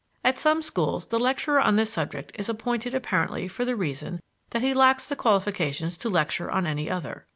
At some schools the lecturer on this subject is appointed apparently for the reason that he lacks the qualifications to lecture on any other.